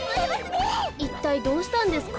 いったいどうしたんですか？